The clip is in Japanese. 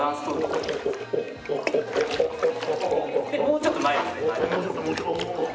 もうちょっと前ですね。